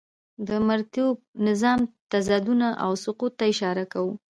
د مرئیتوب نظام تضادونه او سقوط ته اشاره کوو.